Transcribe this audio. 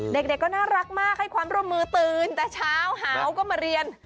เด็กก็น่ารักมากให้ความร่วมมือตื่นแต่เช้าหาวก็มาเรียน